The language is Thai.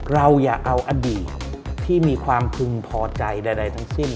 เราอย่าเอาอดีตที่มีความพึงพอใจใดทั้งสิ้น